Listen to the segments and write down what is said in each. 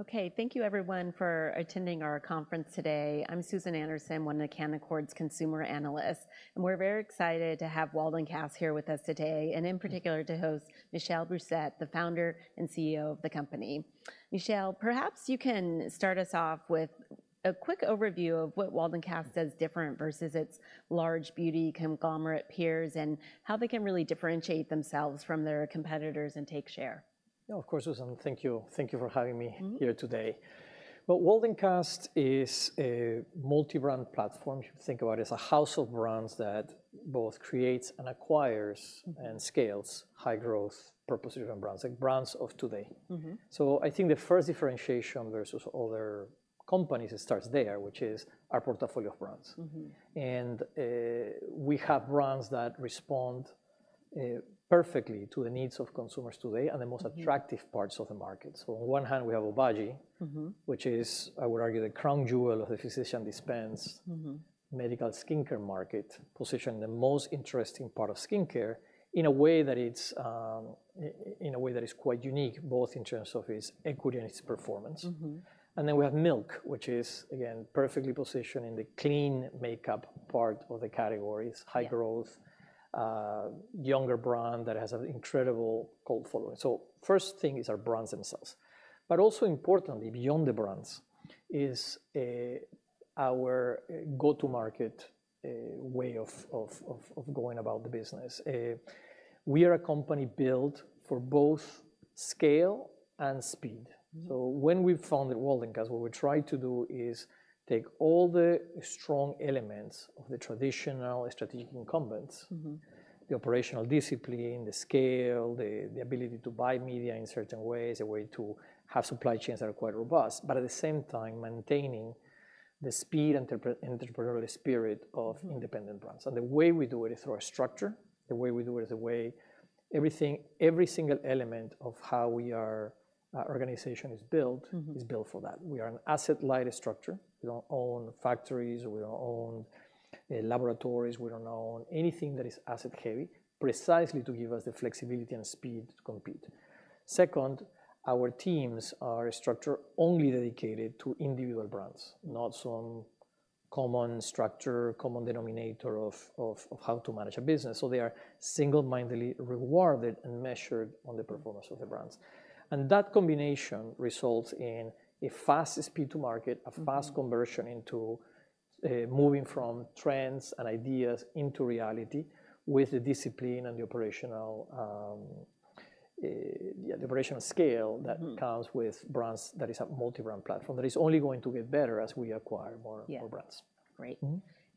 Okay, thank you everyone for attending our conference today. I'm Susan Anderson, one of Canaccord's consumer analysts, and we're very excited to have Waldencast here with us today, and in particular, to host Michel Brousset, the founder and CEO of the company. Michel, perhaps you can start us off with a quick overview of what Waldencast does different versus its large beauty conglomerate peers, and how they can really differentiate themselves from their competitors and take share. Yeah, of course, Susan. Thank you. Thank you for having me- - here today. But Waldencast is a multi-brand platform. You should think about it as a house of brands that both creates and acquires-... and scales high growth, purpose-driven brands, like brands of today. I think the first differentiation versus other companies, it starts there, which is our portfolio of brands. We have brands that respond perfectly to the needs of consumers today, and the... most attractive parts of the market. So on one hand, we have Obagi-... which is, I would argue, the crown jewel of the physician-dispense... medical skincare market, positioned in the most interesting part of skincare, in a way that it's, in a way that is quite unique, both in terms of its equity and its performance. And then we have Milk, which is, again, perfectly positioned in the clean makeup part of the categories. Yeah... high growth, younger brand that has an incredible cult following. So first thing is our brands themselves. But also importantly, beyond the brands, is our go-to-market way of going about the business. We are a company built for both scale and speed. When we founded Waldencast, what we tried to do is take all the strong elements of the traditional strategic incumbents-... the operational discipline, the scale, the ability to buy media in certain ways, a way to have supply chains that are quite robust, but at the same time maintaining the speed and the entrepreneurial spirit o... independent brands. The way we do it is through our structure, the way we do it is the way every single element of how we are, our organization is built.... is built for that. We are an asset-light structure. We don't own factories, we don't own laboratories, we don't own anything that is asset-heavy, precisely to give us the flexibility and speed to compete. Second, our teams are a structure only dedicated to individual brands, not some common structure, common denominator of how to manage a business, so they are single-mindedly rewarded and measured on the performance of the brands. And that combination results in a faster speed to market-... a fast conversion into moving from trends and ideas into reality with the discipline and the operational scale-... that comes with brands that is a multi-brand platform, that is only going to get better as we acquire more- Yeah... more brands. Great.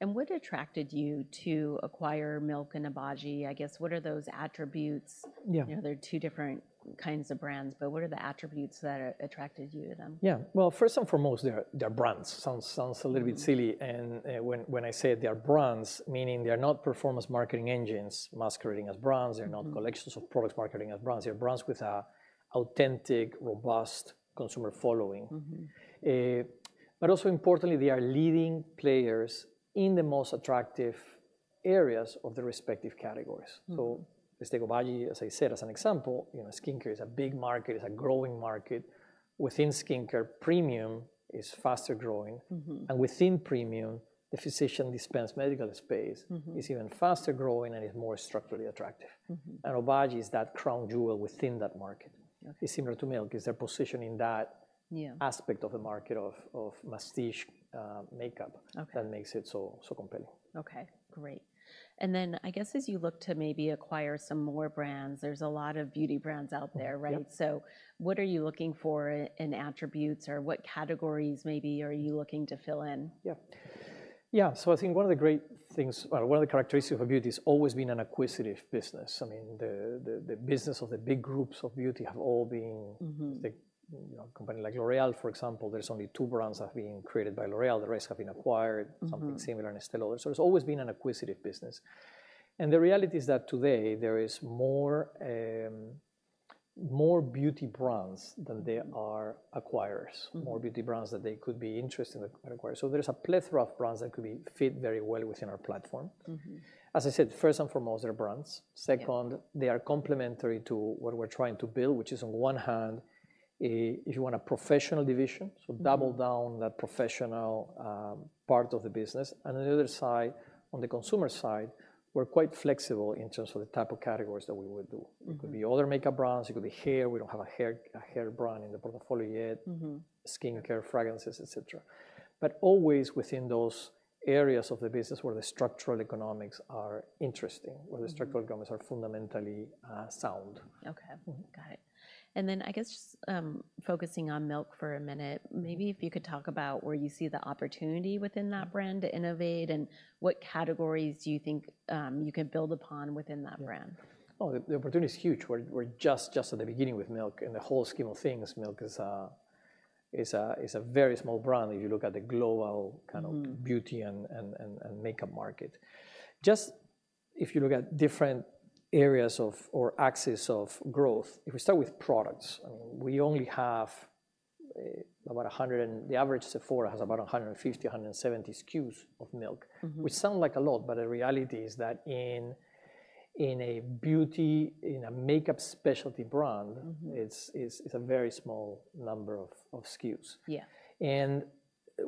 What attracted you to acquire Milk and Obagi? I guess, what are those attributes? Yeah. You know, they're two different kinds of brands, but what are the attributes that attracted you to them? Yeah. Well, first and foremost, they're brands. Sounds a little bit silly. And, when I say they are brands, meaning they are not performance marketing engines masquerading as brands-... they're not collections of product marketing as brands. They're brands with an authentic, robust consumer following. But also importantly, they are leading players in the most attractive areas of the respective categories. Let's take Obagi, as I said, as an example, you know, skincare is a big market, it's a growing market. Within skincare, premium is faster growing. Within premium, the physician dispensed medical space-... is even faster growing and is more structurally attractive. Obagi is that crown jewel within that market. Okay. It's similar to Milk, they're positioned in that- Yeah... aspect of the market of, of prestige, makeup- Okay... that makes it so, so compelling. Okay, great. And then I guess as you look to maybe acquire some more brands, there's a lot of beauty brands out there, right? Yep. So what are you looking for in attributes, or what categories maybe are you looking to fill in? Yeah. Yeah, so I think one of the great things, or one of the characteristics of beauty, it's always been an acquisitive business. I mean, the business of the big groups of beauty have all been-... like, you know, a company like L'Oréal, for example, there's only two brands that have been created by L'Oréal, the rest have been acquired. Something similar in Estée Lauder. It's always been an acquisitive business. The reality is that today there is more, more beauty brands than there are acquirers-... more beauty brands that they could be interested to acquire. So there's a plethora of brands that could be fit very well within our platform. As I said, first and foremost, they're brands. Yeah. Second, they are complementary to what we're trying to build, which is, on one hand, a, if you want a professional division-... so double down that professional, part of the business. On the other side, on the consumer side, we're quite flexible in terms of the type of categories that we would do. It could be other makeup brands, it could be hair, we don't have a hair brand in the portfolio yet. Skincare, fragrances, et cetera. But always within those areas of the business where the structural economics are interesting-... where the structural economics are fundamentally sound. Okay. Got it. And then I guess, focusing on Milk for a minute, maybe if you could talk about where you see the opportunity within that brand to innovate, and what categories do you think, you can build upon within that brand? Yeah. Oh, the opportunity is huge. We're just at the beginning with Milk. In the whole scheme of things, Milk is a very small brand, if you look at the gl... kind of beauty and makeup market. Just if you look at different areas of or axes of growth, if we start with products, I mean, we only have about 100 and... The average Sephora has about 150-170 SKUs of Milk. Which sound like a lot, but the reality is that in a beauty, in a makeup specialty brand- It's a very small number of SKUs. Yeah.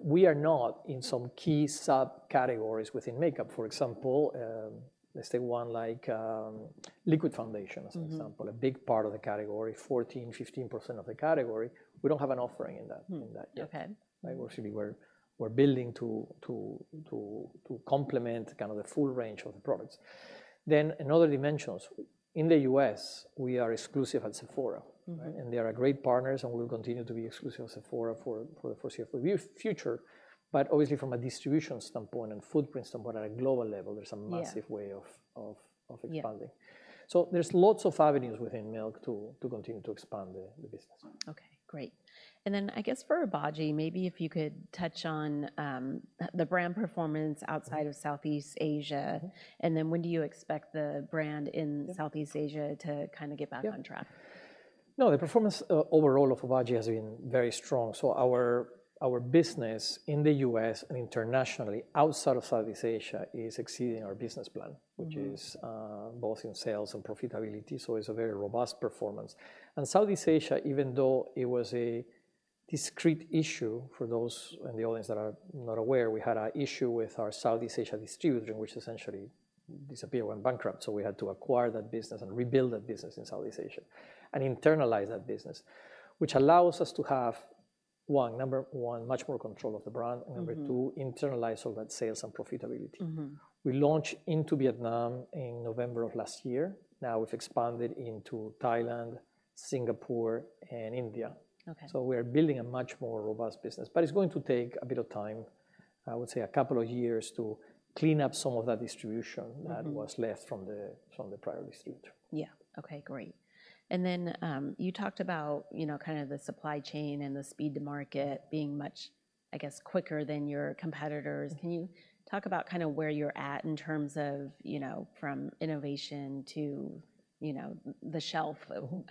We are not in some key sub-categories within makeup. For example, let's say one like, liquid foundation-... as an example, a big part of the category, 14%-15% of the category, we don't have an offering in that- In that yet. Okay. Right, obviously, we're building to complement kind of the full range of the products. Then in other dimensions, in the U.S., we are exclusive at Sephora. They are great partners, and we will continue to be exclusive at Sephora for the foreseeable future. But obviously from a distribution standpoint and footprint standpoint at a global level, there's a- Yeah... massive way of expanding. Yeah. There's lots of avenues within Milk to continue to expand the business. Okay, great. And then I guess for Obagi, maybe if you could touch on the brand performance outside of Southeast Asia? And then, when do you expect the brand in-? Yeah... Southeast Asia to kind of get back on track? Yeah. No, the performance overall of Obagi has been very strong. So our business in the US and internationally, outside of Southeast Asia, is exceeding our business plan-... which is both in sales and profitability, so it's a very robust performance. Southeast Asia, even though it was a discrete issue, for those in the audience that are not aware, we had an issue with our Southeast Asia distributor, which essentially disappeared, went bankrupt, so we had to acquire that business and rebuild that business in Southeast Asia, and internalize that business. Which allows us to have, one, number one, much more control of the brand-... number two, internalize all that sales and profitability. We launched into Vietnam in November of last year. Now we've expanded into Thailand, Singapore, and India. Okay. So we are building a much more robust business, but it's going to take a bit of time, I would say a couple of years, to clean up some of that distribution-... that was left from the prior distributor. Yeah. Okay, great. Then, you talked about, you know, kind of the supply chain and the speed to market being much, I guess, quicker than your competitors. Can you talk about kind of where you're at in terms of, you know, from innovation to, you know, the shelf?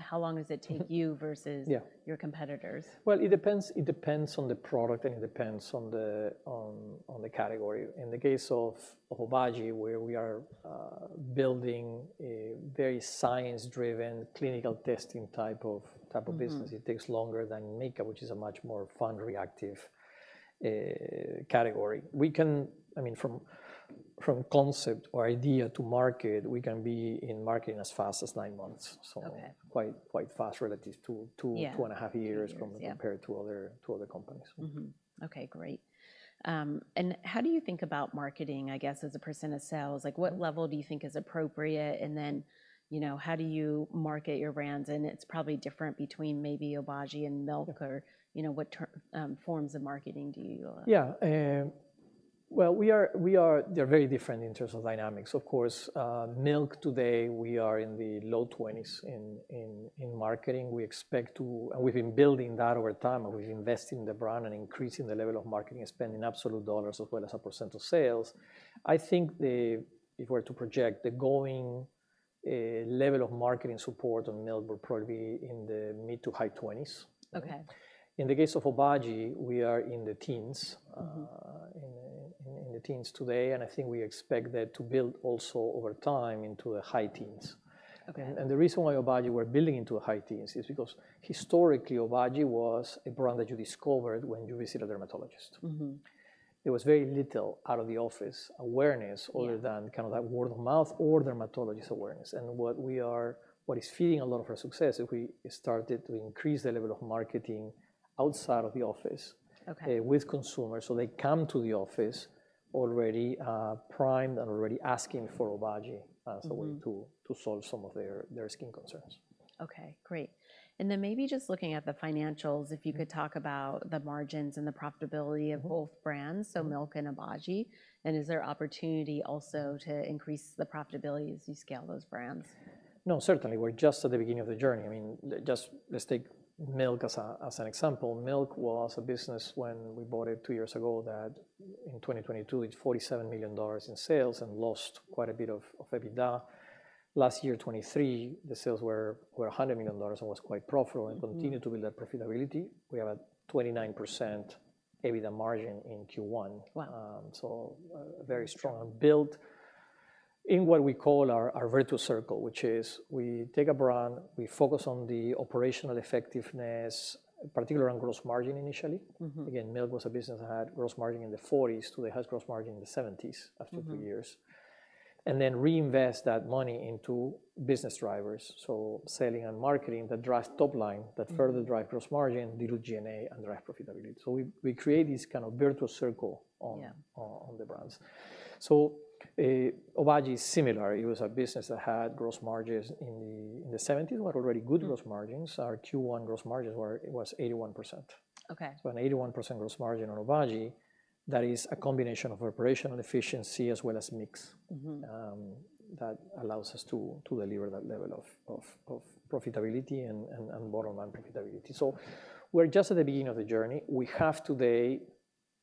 How long does it take you versus- Yeah... your competitors? Well, it depends, it depends on the product, and it depends on the category. In the case of Obagi, where we are building a very science-driven, clinical testing type of business-... it takes longer than makeup, which is a much more fun, reactive category. We can, I mean, from concept or idea to market, we can be in market in as fast as nine months, so- Okay... quite, quite fast relative to- Yeah... 2, 2.5 years from- Yeah... compared to other companies. Mm-hmm. Okay, great. And how do you think about marketing, I guess, as a percent of sales? Like, what level do you think is appropriate, and then, you know, how do you market your brands? And it's probably different between maybe Obagi and Milk- Okay... or, you know, what forms of marketing do you like? Yeah. Well, we are—they're very different in terms of dynamics. Of course, Milk today, we are in the low 20s% in marketing. We expect to—and we've been building that over time, and we invest in the brand and increasing the level of marketing and spend in absolute dollars as well as a % of sales. I think if we were to project, the going level of marketing support on Milk would probably be in the mid- to high 20s%. Okay. In the case of Obagi, we are in the teens. In the teens today, and I think we expect that to build also over time into the high teens. Okay. The reason why Obagi, we're building into the high teens is because historically, Obagi was a brand that you discovered when you visited a dermatologist There was very little out of the office awareness- Yeah... other than kind of that word of mouth or dermatologist awareness. And what is feeding a lot of our success is we started to increase the level of marketing outside of the office- Okay... with consumers, so they come to the office already, primed and already asking for Obagi-... as a way to solve some of their skin concerns. Okay, great. And then maybe just looking at the financials, if you could talk about the margins and the profitability of both brands, so Milk and Obagi. And is there opportunity also to increase the profitability as you scale those brands? No, certainly. We're just at the beginning of the journey. I mean, just let's take Milk as an example. Milk was a business when we bought it two years ago, that in 2022, it's $47 million in sales and lost quite a bit of EBITDA. Last year, 2023, the sales were $100 million and was quite profitable-... and continued to build that profitability. We have a 29% EBITDA margin in Q1. Wow! So a very strong build in what we call our virtuous circle, which is we take a brand, we focus on the operational effectiveness, particularly on gross margin initially. Again, Milk was a business that had gross margin in the 40s, today it has gross margin in the 70s-... after two years. Then reinvest that money into business drivers, so selling and marketing, that drives top line-... that further drive gross margin, reduce G&A and drive profitability. So we create this kind of virtual circle on- Yeah... on the brands. So, Obagi is similar. It was a business that had gross margins in the 70s, were already good-... gross margins. Our Q1 gross margins were 81%. Okay. An 81% gross margin on Obagi, that is a combination of operational efficiency as well as mix. That allows us to deliver that level of profitability and bottom line profitability. So we're just at the beginning of the journey. We have today,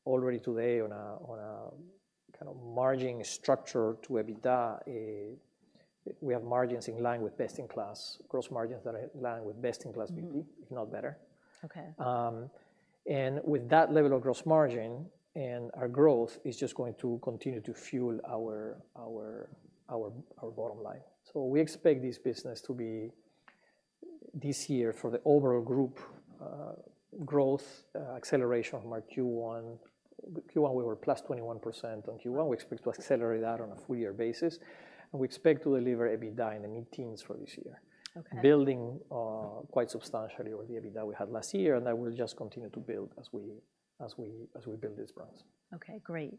already today on a kind of margin structure to EBITDA. We have margins in line with best-in-class, gross margins that are in line with best-in-class beauty peers... if not better. Okay. And with that level of gross margin, and our growth is just going to continue to fuel our bottom line. So we expect this business to be this year for the overall group, growth acceleration from our Q1. Q1, we were plus 21%. On Q1, we expect to accelerate that on a full year basis, and we expect to deliver EBITDA in the mid-teens for this year. Okay. Building quite substantially over the EBITDA we had last year, and that will just continue to build as we build these brands. Okay, great.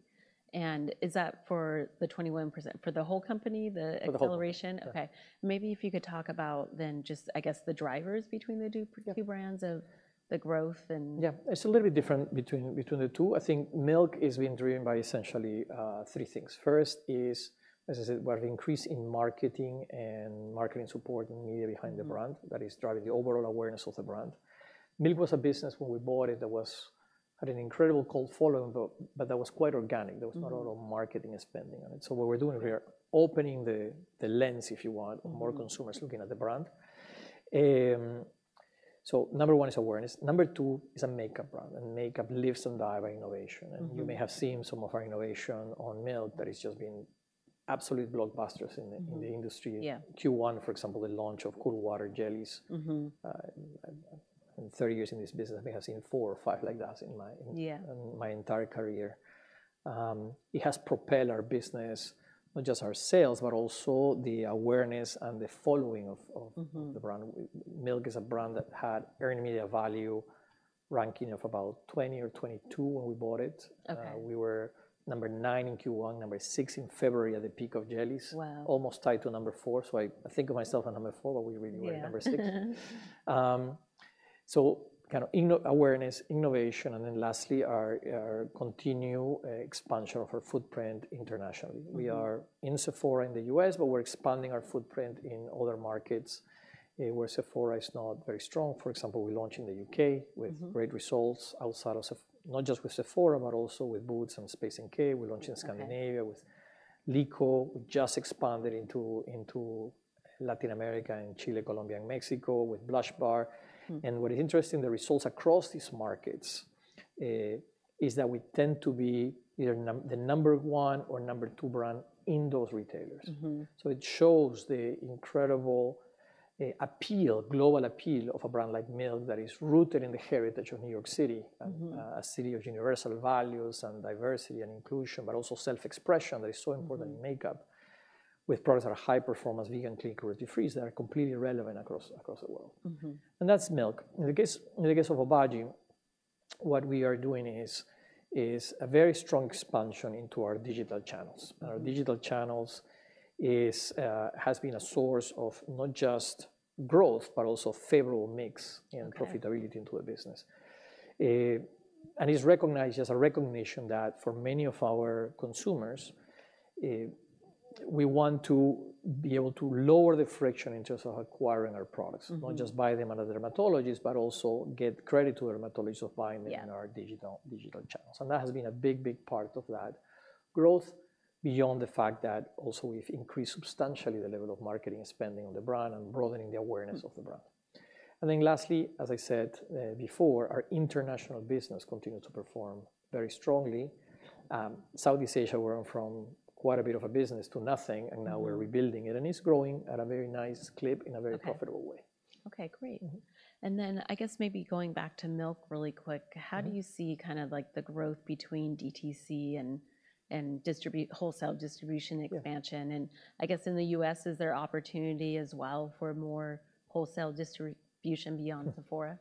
And is that for the 21%, for the whole company, the- For the whole company.... acceleration? Yeah. Okay. Maybe if you could talk about then just, I guess, the drivers between the two- Yeah... two brands of the growth and- Yeah, it's a little bit different between the two. I think Milk is being driven by essentially three things. First is, as I said, by the increase in marketing and marketing support and media behind the brand- Mm... that is driving the overall awareness of the brand. Milk was a business when we bought it that had an incredible cult following, but that was quite organic. Mm. There was not a lot of marketing and spending on it. So what we're doing here, opening the lens, if you want- Mm... more consumers looking at the brand. So number one is awareness. Number two is a makeup brand, and makeup lives and die by innovation. Mm. You may have seen some of our innovation on Milk that has just been absolute blockbusters in the... Mm... in the industry. Yeah. Q1, for example, the launch of Cooling Water Jellies. Mm-hmm. In 30 years in this business, I may have seen 4 or 5 like that in my- Yeah... in my entire career. It has propelled our business, not just our sales, but also the awareness and the following of, of- Mm-hmm ...the brand. Milk is a brand that had earned media value ranking of about 20 or 22 when we bought it. Okay. We were number nine in Q1, number six in February at the peak of Jellies. Wow! Almost tied to number four, so I think of myself as number four, but we really were number six. Yeah. So kind of awareness, innovation, and then lastly, our continued expansion of our footprint internationally. Mm-hmm. We are in Sephora in the U.S., but we're expanding our footprint in other markets, where Sephora is not very strong. For example, we launched in the U.K.- Mm-hmm... with great results outside of Sephora, not just with Sephora, but also with Boots and Space NK. We launched in Scandinavia. Okay... with Lyko. We just expanded into Latin America, in Chile, Colombia, and Mexico, with Blush-Bar. Mm. What is interesting, the results across these markets, is that we tend to be either the number one or number two brand in those retailers. Mm-hmm. It shows the incredible, appeal, global appeal of a brand like Milk that is rooted in the heritage of New York City. Mm-hmm... a city of universal values and diversity and inclusion, but also self-expression that is so important- Mm... in makeup, with products that are high performance, vegan, clean, cruelty-free, that are completely relevant across, across the world. Mm-hmm. That's Milk. In the case of Obagi, what we are doing is a very strong expansion into our digital channels. Mm. Our digital channels is, has been a source of not just growth, but also favorable mix. Okay... and profitability into the business. It's recognized, just a recognition that for many of our consumers, we want to be able to lower the friction in terms of acquiring our products. Mm-hmm. Not just buy them at a dermatologist, but also give credit to a dermatologist for buying them. Yeah... in our digital, digital channels. And that has been a big, big part of that growth, beyond the fact that also we've increased substantially the level of marketing spending on the brand and broadening the awareness of the brand. Mm. And then lastly, as I said before, our international business continued to perform very strongly. Southeast Asia, we're from quite a bit of a business to nothing- Mm... and now we're rebuilding it, and it's growing at a very nice clip in a very profitable way. Okay. Okay, great. Mm-hmm. And then, I guess maybe going back to Milk really quick- Mm-hmm... how do you see kind of like the growth between DTC and wholesale distribution expansion? Yeah. I guess in the U.S., is there opportunity as well for more wholesale distribution beyond Sephora?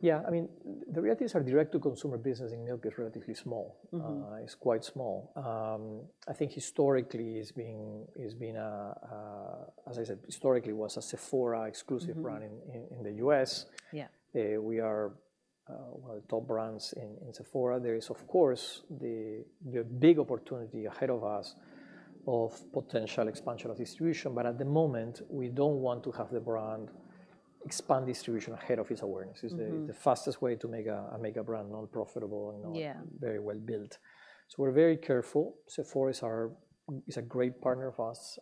Yeah. I mean, the realities of our direct-to-consumer business in Milk is relatively small. Mm-hmm. It's quite small. As I said, historically, it was a Sephora-exclusive brand- Mm-hmm... in the U.S. Yeah. We are one of the top brands in Sephora. There is, of course, the big opportunity ahead of us of potential expansion of distribution, but at the moment, we don't want to have the brand expand distribution ahead of its awareness. Mm-hmm. It's the fastest way to make a makeup brand non-profitable and not- Yeah... very well built. So we're very careful. Sephora is a great partner of ours.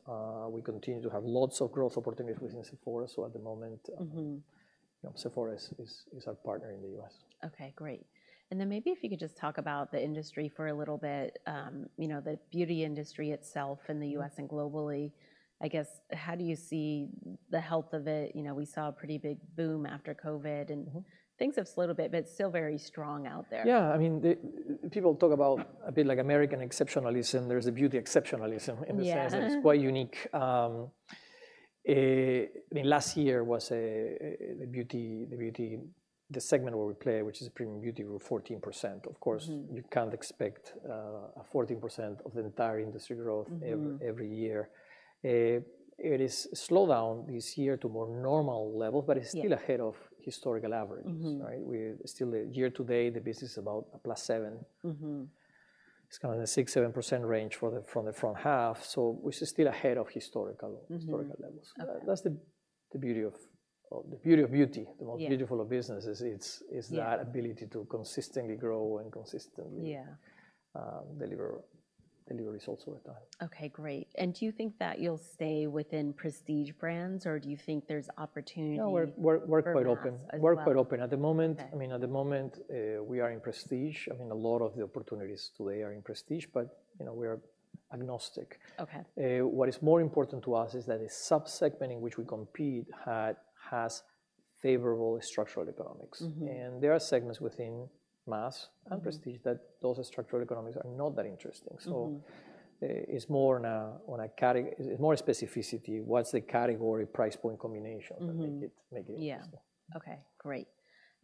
We continue to have lots of growth opportunities within Sephora, so at the moment- Mm-hmm... Sephora is our partner in the US. Okay, great. And then maybe if you could just talk about the industry for a little bit, you know, the beauty industry itself in the- Mm... U.S. and globally. I guess, how do you see the health of it? You know, we saw a pretty big boom after COVID, and- Mm-hmm... things have slowed a little bit, but it's still very strong out there. Yeah. I mean, people talk about a bit like American exceptionalism. There's a beauty exceptionalism in the sense- Yeah, mm... that it's quite unique. I mean, last year, the beauty segment where we play, which is premium beauty, grew 14%. Mm. Of course, you can't expect a 14% of the entire industry growth- Mm... every year. It is slowed down this year to more normal levels- Yeah... but it's still ahead of historical averages. Mm-hmm. Right? We're still, year to date, the business is about a +7. Mm-hmm. It's kind of the 6%-7% range for the, from the front half, so we're still ahead of historical- Mm-hmm... historical levels. Okay. That's the beauty of the beauty of beauty. Yeah. The most beautiful of businesses- Yeah... it's that ability to consistently grow and consistently- Yeah... deliver results over time. Okay, great. Do you think that you'll stay within prestige brands, or do you think there's opportunity- No, we're quite open.... as well? We're quite open at the moment. Okay. I mean, at the moment, we are in prestige. I mean, a lot of the opportunities today are in prestige, but you know, we're agnostic. Okay. What is more important to us is that the sub-segment in which we compete has favorable structural economics. Mm-hmm. There are segments within mass and prestige- Mm That those structural economics are not that interesting. Mm-hmm. So, it's more on a category. More specificity, what's the category price point combination? Mm-hmm... that make it interesting? Yeah. Okay, great.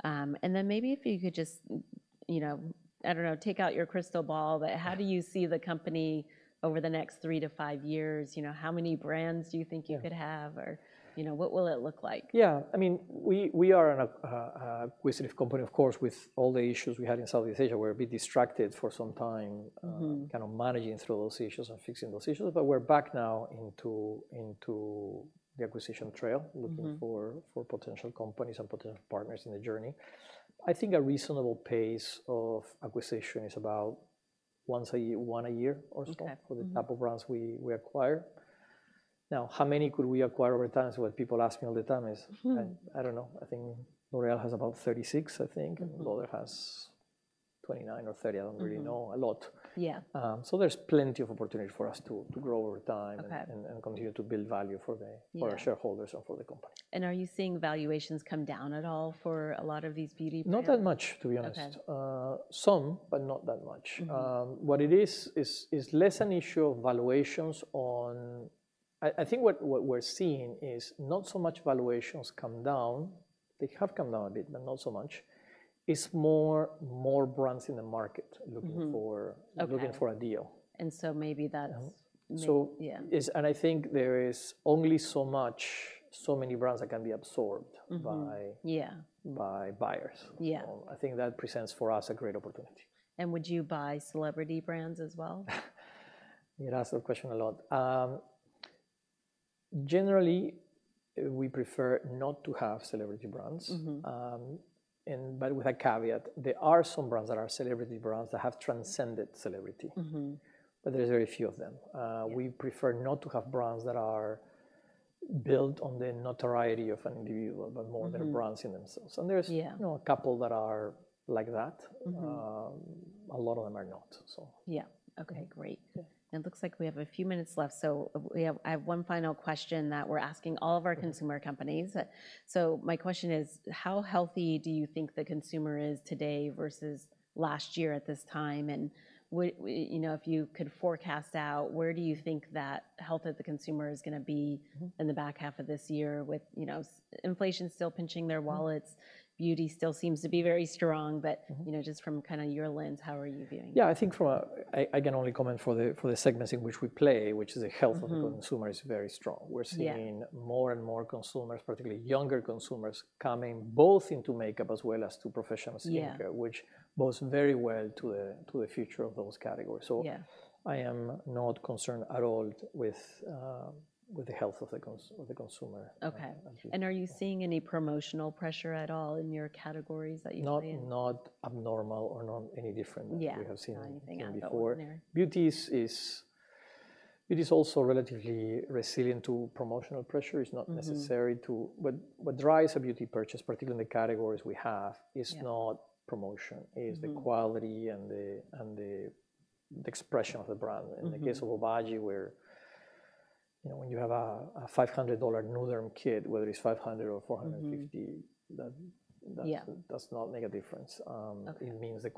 And then maybe if you could just, you know, I don't know, take out your crystal ball, but- Yeah... how do you see the company over the next 3-5 years? You know, how many brands do you think you could have? Yeah. Or, you know, what will it look like? Yeah, I mean, we are an acquisition company, of course, with all the issues we had in Southeast Asia, we're a bit distracted for some time- Mm-hmm... kind of managing through those issues and fixing those issues. But we're back now into, into the acquisition trail- Mm-hmm ...looking for potential companies and potential partners in the journey. I think a reasonable pace of acquisition is about once a year, one a year or so- Okay. Mm... for the type of brands we acquire. Now, how many could we acquire over time? So what people ask me all the time is- Hmm... I don't know. I think L'Oréal has about 36, I think. Mm. L'Oréal has 29 or 30, I don't really know. Mm-hmm. A lot. Yeah. There's plenty of opportunity for us to grow over time. Okay... and continue to build value for the- Yeah... for our shareholders or for the company. Are you seeing valuations come down at all for a lot of these beauty brands? Not that much, to be honest. Okay. Some, but not that much. Mm-hmm. What it is is less an issue of valuations on... I think what we're seeing is not so much valuations come down. They have come down a bit, but not so much. It's more brands in the market- Mm-hmm... looking for Okay... looking for a deal. And so maybe that's- So- Yeah... and I think there is only so much, so many brands that can be absorbed by- Mm-hmm, yeah... by buyers. Yeah. I think that presents for us a great opportunity. Would you buy celebrity brands as well? You ask that question a lot. Generally, we prefer not to have celebrity brands. Mm-hmm. And but with a caveat, there are some brands that are celebrity brands that have transcended celebrity. Mm-hmm. But there's very few of them. Yeah... we prefer not to have brands that are built on the notoriety of an individual- Mm-hmm... but more their brands in themselves. Yeah. There's, you know, a couple that are like that. Mm-hmm. A lot of them are not, so. Yeah. Okay. Okay, great. It looks like we have a few minutes left. So, I have one final question that we're asking all of our consumer companies. Okay. So my question is, how healthy do you think the consumer is today versus last year at this time? And you know, if you could forecast out, where do you think that health of the consumer is gonna be- Mm-hmm ...in the back half of this year with, you know, inflation still pinching their wallets? Beauty still seems to be very strong, but- Mm-hmm... you know, just from kind of your lens, how are you viewing it? Yeah, I think from a, I can only comment for the segments in which we play, which is the health- Mm-hmm... of the consumer is very strong. Yeah. We're seeing more and more consumers, particularly younger consumers, coming both into makeup as well as to professional skincare. Yeah... which bodes very well to the future of those categories. So- Yeah... I am not concerned at all with the health of the consumer. Okay. Um, yeah. Are you seeing any promotional pressure at all in your categories that you play in? Not abnormal or not any different- Yeah... than we have seen before. Anything on go there. Beauty is also relatively resilient to promotional pressure. It's not necessary to... What, what drives a beauty purchase, particularly in the categories we have? Yeah... is not promotion It's the quality and the expression of the brand In the case of Obagi, where, you know, when you have a $500 Nu-Derm kit, whether it's $500 or $4 million... that- Yeah... does not make a difference. Okay... it means the qual-